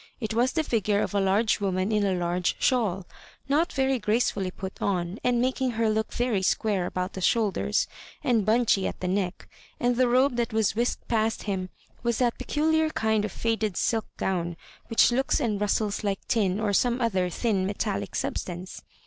It was the figure of a large woman in a large shawl, not very gracefully put on, and making her look very square /ibout the shoulders and bunchy at the neck ; and the robe that was whisked past him was that peculiar kind of faded silk gown which looks and rustles like tin, or some other thin metallic substance.